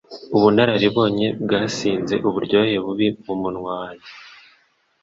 Ubunararibonye bwansize uburyohe bubi mumunwa wanjye.